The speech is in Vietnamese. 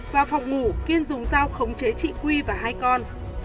vào phòng ngủ kiên dùng dao khống chế chị quy và hai con